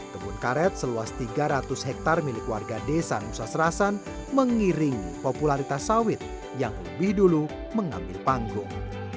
kebun karet seluas tiga ratus hektare milik warga desa nusa serasan mengiringi popularitas sawit yang lebih dulu mengambil panggung